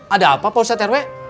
ada apa pak ustadz rw